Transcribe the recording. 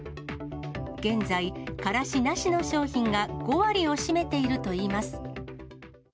現在、カラシなしの商品が５割を占めているといいます。